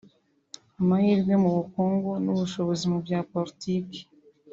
amahirwe mu bukungu n’ubushobozi mu bya politiki